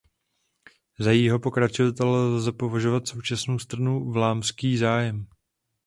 Za jejího pokračovatele lze považovat současnou stranu Vlámský zájem.